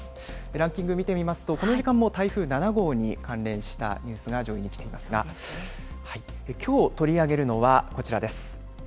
ランキング見てみますと、この時間も台風７号に関連したニュースが上位に来ていますが、きょう取り上げるのはこちらです。